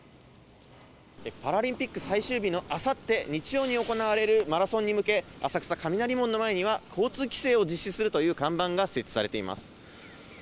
パラリンピック最終日のあさって日曜に行われるマラソンに向け、浅草・雷門の前には、交通規制を実施するという看板が設置されています。